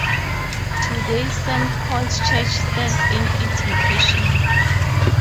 Today Saint Paul's Church stands in its location.